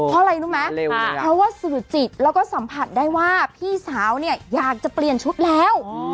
เพราะอะไรรู้ไหมเพราะว่าสื่อจิตแล้วก็สัมผัสได้ว่าพี่สาวเนี่ยอยากจะเปลี่ยนชุดแล้ว